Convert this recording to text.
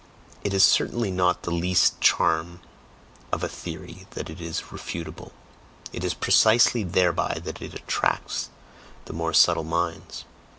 It is certainly not the least charm of a theory that it is refutable; it is precisely thereby that it attracts the more subtle minds.